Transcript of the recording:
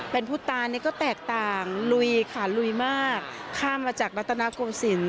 เป็นผู้ตายนี่ก็แตกต่างลุยค่ะลุยมากข้ามมาจากรัฐนาโกศิลป